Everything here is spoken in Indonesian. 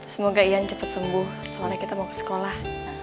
semoga ian cepat sembuh soalnya kita mau ke sekolah